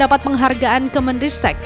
dapat penghargaan ke menteri stek